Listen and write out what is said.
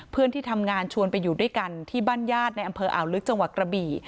เพื่อนที่ทำงานชวนไปอยู่ด้วยกันที่บ้านญาติในอำเภออ่าวลึกจังหวัดกระบี่